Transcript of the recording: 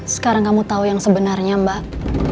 sekarang kamu tahu yang sebenarnya mbak